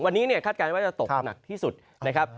วันนี้เนี่ยคาดการณ์ว่าจะตกหนักที่สุดนะครับ